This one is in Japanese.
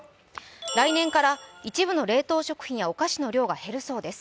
来年から一部の冷凍食品やお菓子の量が減るそうです。